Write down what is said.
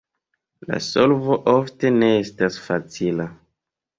La solvo ofte ne estas facila.